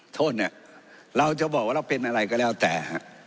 โทษเนี่ยเราจะบอกว่าเราเป็นอะไรก็แล้วแต่ฮะ